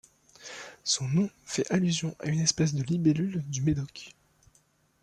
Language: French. Son nom fait allusion à une espèce de libellule du Médoc.